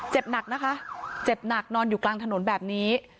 หนักนะคะเจ็บหนักนอนอยู่กลางถนนแบบนี้